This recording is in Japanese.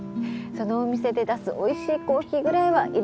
そのお店で出すおいしいコーヒーぐらいは